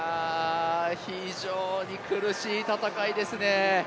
非常に苦しい戦いですね。